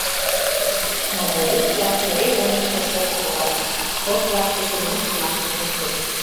Но боец-влак эре ончыко шып пурат, ДЗОТ-влак деке нушкынак нушкыт.